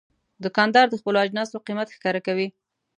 دوکاندار د خپلو اجناسو قیمت ښکاره کوي.